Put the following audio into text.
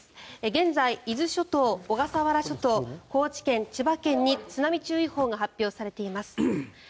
現在、伊豆諸島、小笠原諸島高知県、千葉県に津波注意報が発表されています。